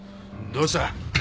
どうした？